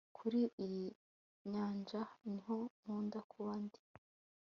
kuri iyi nyanja niho nkunda kuba ndi